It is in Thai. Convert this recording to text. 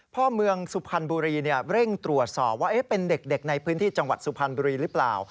พ่อเมืองสุพรรณบุรีเร่งตรวจสอบว่าเป็นเด็กในพื้นที่จังหวัดสุพรรณบุรีหรือเปล่า